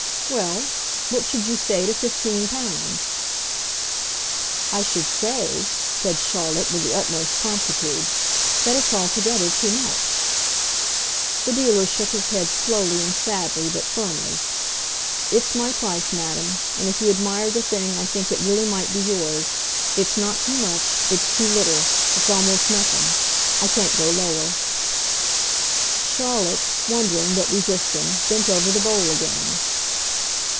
"Well, what should you say to fifteen pounds?" "I should say," said Charlotte with the utmost promptitude, "that it's altogether too much." The dealer shook his head slowly and sadly, but firmly. "It's my price, madam and if you admire the thing I think it really might be yours. It's not too much. It's too little. It's almost nothing. I can't go lower." Charlotte, wondering, but resisting, bent over the bowl again.